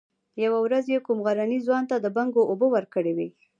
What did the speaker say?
يوه ورځ يې کوم غرني ځوان ته د بنګو اوبه ورکړې وې.